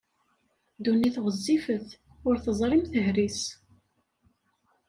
Ddunit ɣwezzifet, ur teẓrim tehri-s!